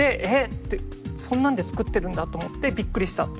ってそんなんで作ってるんだと思ってびっくりしたと。